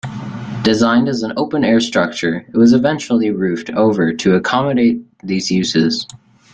Designed as an open-air structure, it was eventually roofed over to accommodate these uses.